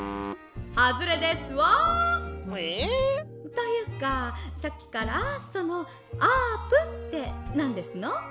「というかさっきからそのあーぷんってなんですの？」。